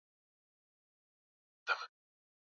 ndiye ambaye alikuwa wa kwanza kufungua mkutano huo